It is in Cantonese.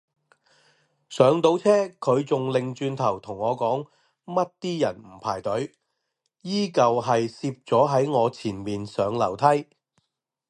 上到車佢仲擰轉頭同我講乜啲人唔排隊，依舊係攝咗喺我前面上樓梯